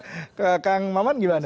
oke ke kang maman gimana